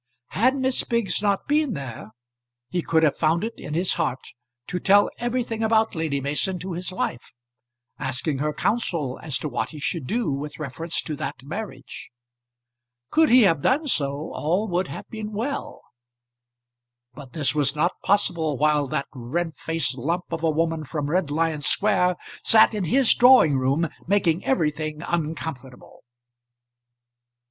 Had Miss Biggs not been there he could have found it in his heart to tell everything about Lady Mason to his wife, asking her counsel as to what he should do with reference to that marriage. Could he have done so, all would have been well; but this was not possible while that red faced lump of a woman from Red Lion Square sat in his drawing room, making everything uncomfortable.